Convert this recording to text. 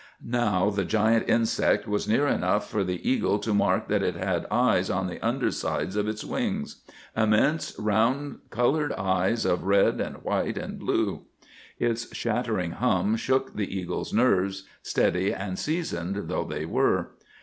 Now the giant insect was near enough for the eagle to mark that it had eyes on the undersides of its wings—immense, round, coloured eyes of red and white and blue. Its shattering hum shook the eagle's nerves, steady and seasoned though they were.